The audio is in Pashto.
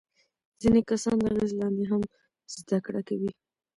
ځینې کسان د اغیز لاندې هم زده کړه کوي.